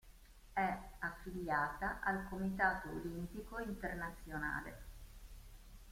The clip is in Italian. È affiliata al Comitato Olimpico Internazionale.